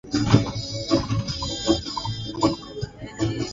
Magonjwa yanayoshambulia mfumo wa upumuaji kwa kondoo